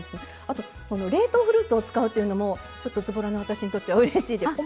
あとこの冷凍フルーツを使うというのもちょっとずぼらな私にとってはうれしいです。